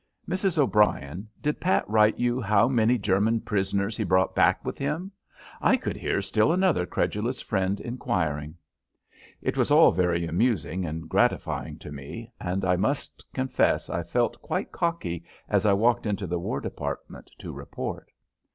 "Mrs. O'Brien, did Pat write you how many German prisoners he brought back with him?" I could hear still another credulous friend inquiring. It was all very amusing and gratifying to me, and I must confess I felt quite cocky as I walked into the War Department to report.